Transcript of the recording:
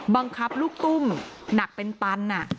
บังคับลูกตุ้มหนักเป็นตัน